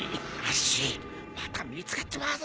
シーッまた見つかっちまうぞ。